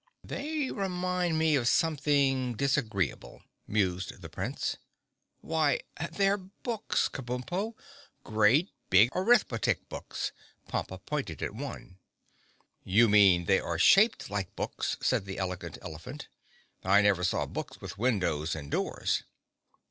"They remind me of something disagreeable," mused the Prince. "Why, they're books, Kabumpo, great big arithmetic books!" Pompa pointed at one. "You mean they are shaped like books," said the Elegant Elephant. "I never saw books with windows and doors!"